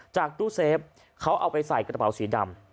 ตู้เซฟเขาเอาไปใส่กระเป๋าสีดำ